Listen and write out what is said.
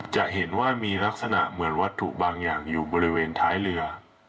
จะเห็นว่ามีลักษณะเหมือนวัตถุบางอย่างอยู่บริเวณท้ายเรือ